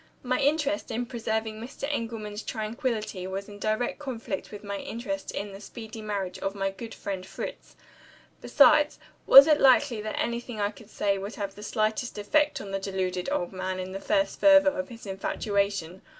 My interest in preserving Mr. Engelman's tranquillity was in direct conflict with my interest in the speedy marriage of my good friend Fritz. Besides, was it likely that anything I could say would have the slightest effect on the deluded old man, in the first fervor of his infatuation?